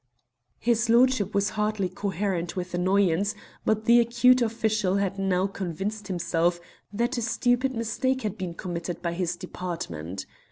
His lordship was hardly coherent with annoyance, but the acute official had now convinced himself that a stupid mistake had been committed by his department.